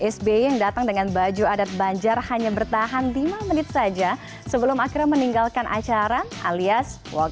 sby yang datang dengan baju adat banjar hanya bertahan lima menit saja sebelum akhirnya meninggalkan acara alias